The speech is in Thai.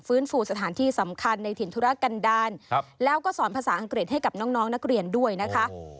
ฟูสถานที่สำคัญในถิ่นธุรกันดาลแล้วก็สอนภาษาอังกฤษให้กับน้องนักเรียนด้วยนะคะ